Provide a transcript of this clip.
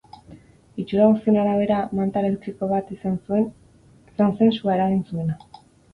Itxura guztien arabera manta elektriko bat izan zen sua eragin zuena.